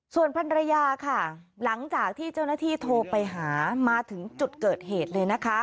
ส่วนพันรยาค่ะหลังจากที่เจ้าหน้าที่โทรไปหามาถึงจุดเกิดเหตุเลยนะคะ